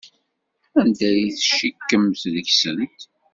Anda ay tcikkemt deg-sent?